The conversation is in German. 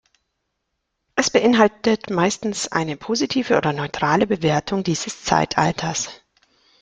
Es beinhaltet meistens eine positive oder neutrale Bewertung dieses Zeitalters.